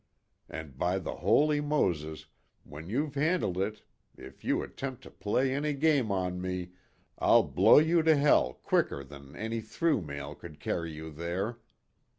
And by the Holy Moses, when you've handled it, if you attempt to play any game on me, I'll blow you to hell quicker than any through mail could carry you there.